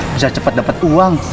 bisa cepat dapet uang